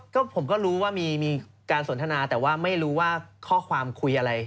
ก็ผมก็รู้ว่ามีการสนทนาแต่ว่าไม่รู้ว่าข้อความคุยอะไร